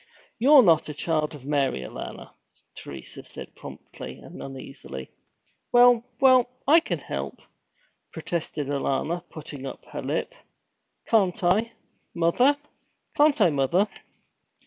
'You're not a Child of Mary, Alanna,' Teresa said, promptly and uneasily. 'Well well I can help!' protested Alanna, putting up her lip. 'Can't I, mother? Can't I, mother?'